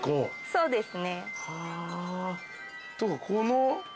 そうです。